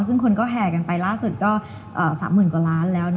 ซึ่งคนก็แห่กันไปล่าสุดก็๓๐๐๐กว่าล้านแล้ว